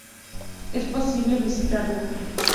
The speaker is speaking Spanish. Es posible visitarla.